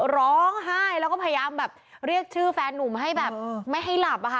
ร้องไห้แล้วก็พยายามแบบเรียกชื่อแฟนนุ่มให้แบบไม่ให้หลับอะค่ะ